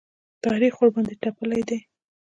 تاریخ ورباندې تپلی دی.